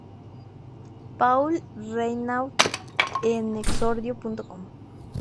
Paul Reynaud en exordio.com